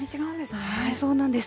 そうなんです。